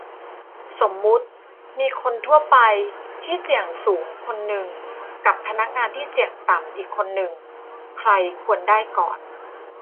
สมมติ มีคนทั่วไปที่เสี่ยงสูงคนหนึ่ง กับ พนักงานที่เสี่ยงต่ำอีกคนหนึ่ง ใครควรได้ก่อน ?